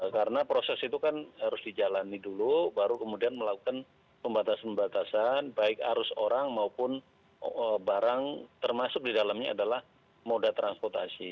karena proses itu kan harus dijalani dulu baru kemudian melakukan pembatasan pembatasan baik arus orang maupun barang termasuk di dalamnya adalah moda transportasi